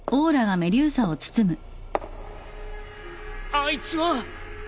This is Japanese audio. あいつは！？